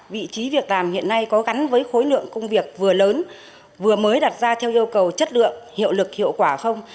vị trí việc làm hiện nay có gắn với khối lượng công việc vừa lớn vừa mới đặt ra theo yêu cầu chất lượng hiệu lực hiệu quả không